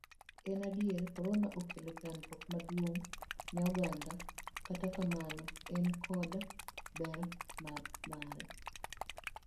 En adier, korona okelo chandruok maduong' ne oganda, kata kamano, en koda ber mare.